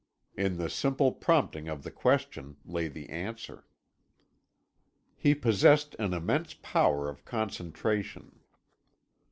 In the simple prompting of the question lay the answer. He possessed an immense power of concentration.